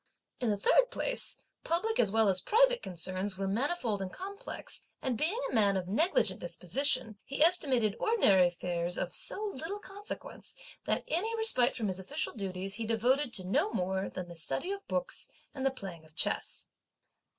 In the third place, public as well as private concerns were manifold and complex, and being a man of negligent disposition, he estimated ordinary affairs of so little consequence that any respite from his official duties he devoted to no more than the study of books and the playing of chess.